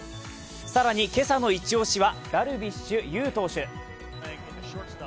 更に、今朝のイチオシはダルビッシュ有投手。